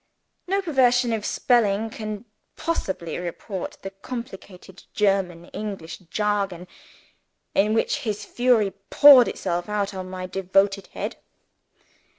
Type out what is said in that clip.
No perversion of spelling can possibly report the complicated German English jargon in which his fury poured itself out on my devoted head.